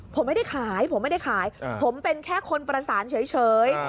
ผมไม่ได้ขายผมเป็นแค่คนประสานเฉย